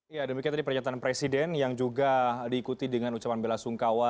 ya demikian tadi pernyataan presiden yang juga diikuti dengan ucapan bela sungkawa